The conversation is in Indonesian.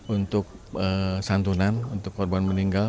untuk santunan untuk korban meninggal